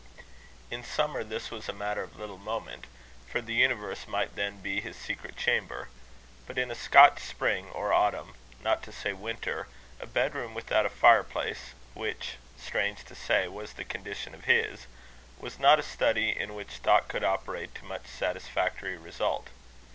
In summer this was a matter of little moment, for the universe might then be his secret chamber; but in a Scotch spring or autumn, not to say winter, a bedroom without a fire place, which, strange to say, was the condition of his, was not a study in which thought could operate to much satisfactory result.